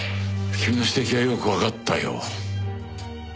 君の指摘はよくわかったよ。